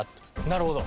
なるほど。